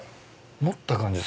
持った感じ